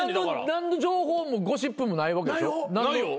何の情報もゴシップもないわけでしょ？ないよ。